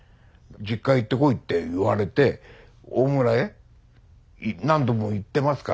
実家行ってこいって言われて大村へ何度も行ってますから。